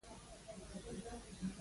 لمسی د تسبېح غوندې مهربانه وي.